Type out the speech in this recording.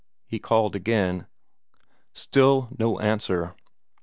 he called again. Still no answer.